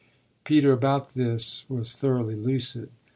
Peter, about this, was thoroughly lucid.